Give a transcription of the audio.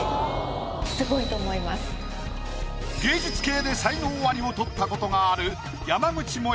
芸術系で才能アリを取った事がある。